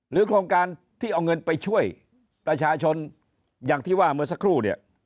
โครงการที่เอาเงินไปช่วยประชาชนอย่างที่ว่าเมื่อสักครู่เนี่ย